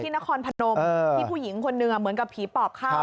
นครพนมที่ผู้หญิงคนหนึ่งเหมือนกับผีปอบเข้า